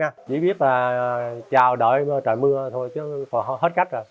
chỉ biết là chào đợi trời mưa thôi chứ hết cách rồi